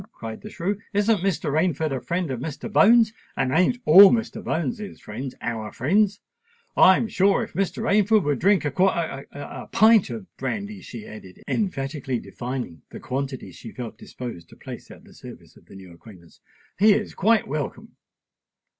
cried the shrew. "Isn't Mr. Rainford a friend of Mr. Bones?—and ain't all Mr. Bones's friends our friends? I'm sure if Mr. Rainford would drink a—a quar—a pint of brandy," she added, emphatically defining the quantity she felt disposed to place at the service of the new acquaintance, "he is quite welcome."